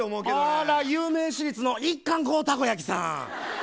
あら有名私立の一貫校たこ焼きさん。